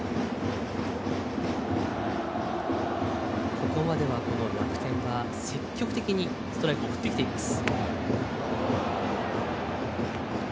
ここまでは楽天は積極的にストライクを振ってきています。